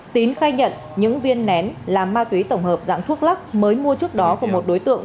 tín khai nhận những viên nén là ma túy tổng hợp dạng thuốc lắc mới mua trước đó của một đối tượng